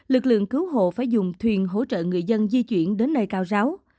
lực lượng cứu hộ phải dùng thuyền hỗ trợ người dân di chuyển đến nơi cao ráo